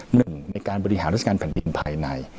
หนึ่งในการบริหารราชการแผ่นดินภายใน